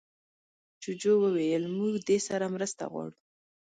جوجو وویل موږ دې سره مرسته غواړو.